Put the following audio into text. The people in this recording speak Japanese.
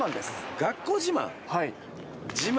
学校自慢？